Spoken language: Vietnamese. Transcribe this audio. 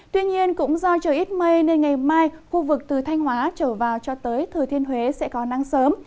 tuy nhiên cũng do trời ít mây nên ngày mai khu vực từ thanh hóa trở vào cho tới thừa thiên huế sẽ có nắng sớm